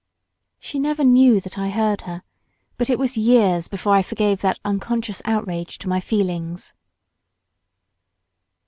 She never knew that I heard her, but it was years before I forgave that unconscious outrage to my feelings.